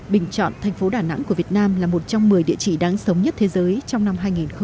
bình chọn thành phố đà nẵng của việt nam là một trong một mươi địa chỉ đáng sống nhất thế giới trong năm hai nghìn hai mươi